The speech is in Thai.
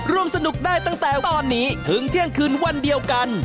ร่วมสนุกได้ตั้งแต่ตอนนี้ถึงเที่ยงคืนวันเดียวกัน